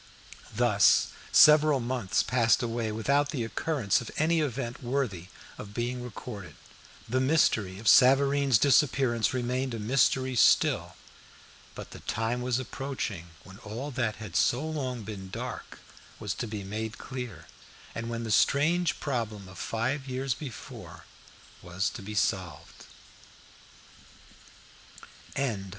Thus, several months passed away without the occurrence of any event worthy of being recorded. The mystery of Savareen's disappearance remained a mystery still. But the time was approaching when all that had so long been dark was to be made clear, and when the strange problem of five years before was to be solved.